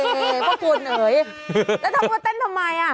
โอ้โฮต้นนะเอ่ยจะทำบุญกับเต้นทำไม